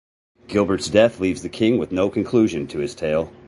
Gilbert's death leaves King with no conclusion to his tale.